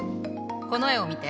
この絵を見て。